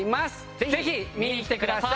ぜひ見に来てください。